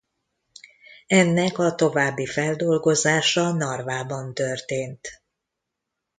Ennek a további feldolgozása Narvában történt.